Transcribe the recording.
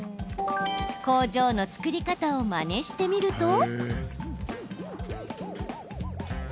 工場の作り方をまねしてみると。